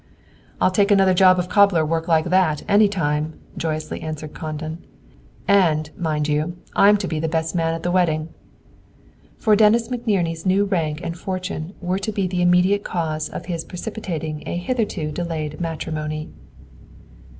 "I'll take another job of cobbler work like that, any time," joyously answered Condon, "and, mind you, I'm to be your best man at the wedding!" For Dennis McNerney's new rank and fortune were to be the immediate cause of his precipitating a hitherto delayed matrimony.